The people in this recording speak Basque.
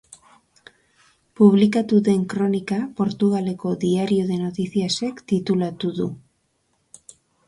Publikatu den kronika Portugaleko Diario de Noticias-ek titulatu du.